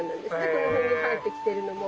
この辺に生えてきてるのも。